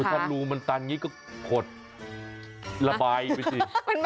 ถ้ารูมันตันอย่างนี้ก็ขดระบายไปสิ